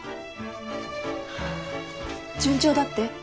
順調だって？